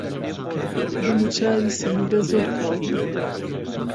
دەموچاوی سەمیرە زۆر کاڵ بوو.